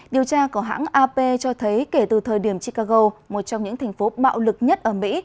điều tra của hãng ap cho thấy kể từ thời điểm chicago một trong những thành phố bạo lực nhất ở mỹ